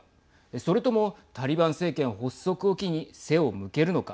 それともタリバン政権発足を機に背を向けるのか。